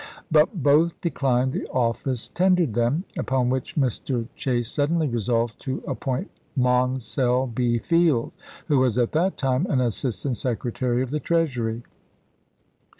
But both declined the office tendered them; upon which Mr. Chase suddenly resolved to ap point Maunsell B. Field, who was at that time an assistant secretary of the Treasury.